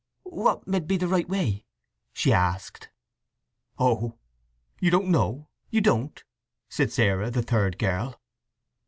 "What med be the right way?" she asked. "Oh you don't know—you don't!" said Sarah, the third girl.